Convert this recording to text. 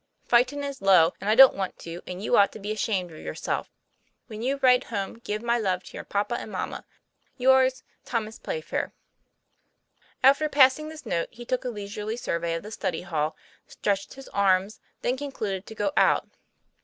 Fightin' is low and i don't want to and you ought to be ashamed of yourself. When you rite home give my love to your papa and mamma. Yrs., THOMAS PLAYFAIR. After passing this note, he took a leisurely survey of the study hall, stretched his arms; then concluded to go out.